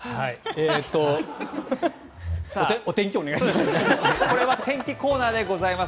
お天気お願いします。